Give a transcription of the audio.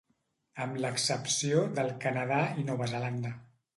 Amb l'excepció del Canadà i Nova Zelanda.